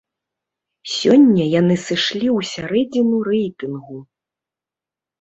Сёння яны сышлі ў сярэдзіну рэйтынгу.